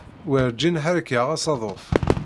Werǧin ḥerqeɣ asaḍuf.